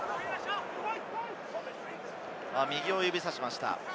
右を指さしました。